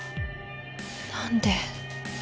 何で？